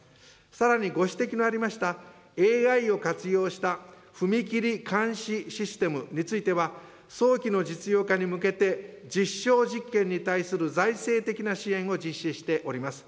さらにご指摘のありました、ＡＩを活用した踏切監視システムについては、早期の実用化に向けて実証実験に対する財政的な支援を実施しております。